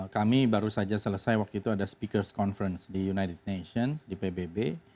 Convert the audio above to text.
dua ribu lima belas kami baru saja selesai waktu itu ada speakers conference di united nations di pbb